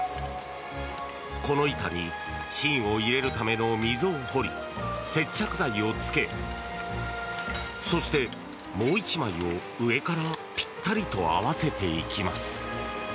この板に芯を入れるための溝を掘り接着剤をつけそしてもう１枚を上からぴったりと合わせていきます。